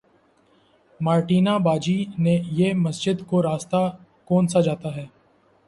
Martina باجی یہ مسجد کو راستہ کونسا جاتا ہے